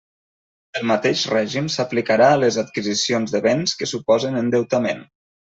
El mateix règim s'aplicarà a les adquisicions de béns que suposen endeutament.